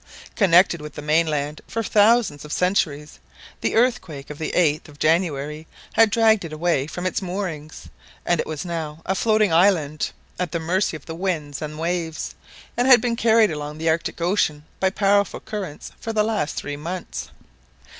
Connected with the mainland for thousands of centuries, the earthquake of the 8th of January had dragged it away from its moorings, and it was now a floating island, at the mercy of the winds and waves, and had been carried along the Arctic Ocean by powerful currents for the last three months!